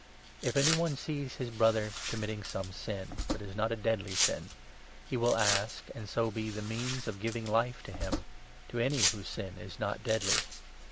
If any 16 one sees his Brother committing some sin that is not a deadly sin, he will ask, and so be the means of giving Life to him — to any whose sin is not deadly.